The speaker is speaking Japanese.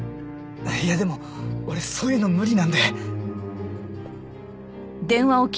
いやでも俺そういうの無理なんで。